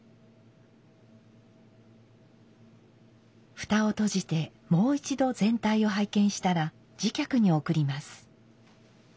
蓋を閉じてもう一度全体を拝見したら次客に送ります。